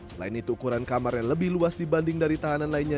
selain itu ukuran kamar yang lebih luas dibanding dari tahanan lainnya